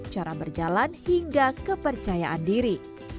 cara berjalan hingga kepercayaan diri